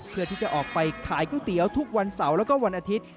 เพื่อที่จะออกไปขายก๋วยเตี๋ยวทุกวันเสาร์แล้วก็วันอาทิตย์